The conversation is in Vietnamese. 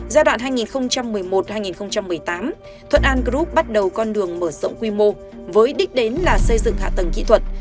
giai đoạn hai nghìn một mươi một hai nghìn một mươi tám thuận an group bắt đầu con đường mở rộng quy mô với đích đến là xây dựng hạ tầng kỹ thuật